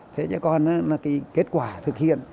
thế chứ còn là cái kết quả thực hiện